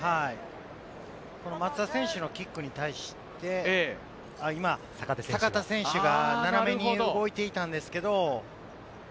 松田選手のキックに対して、今、坂手選手がななめに動いていたんですけれども。